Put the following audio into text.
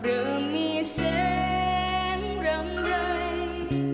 เริ่มมีแสงรำไร